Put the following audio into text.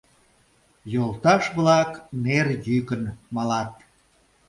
Йолташ-влак нер йӱкын малат.